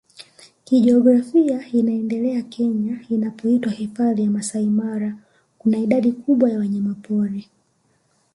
kijiografia inaendele Kenya inapoitwa Hifadhi ya Masai Mara Kuna idadi kubwa ya wanyamapori